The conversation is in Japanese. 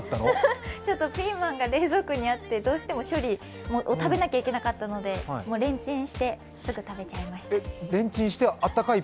ちょっとピーマンが冷蔵庫にあって、どうしても処理、食べなきゃいけなかったのでもうレンチンしてすぐ食べちゃいました。